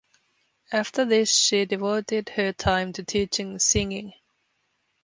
After this she devoted her time to teaching singing.